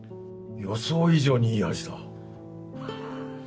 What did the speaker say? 予想以上にいい味だハハハ。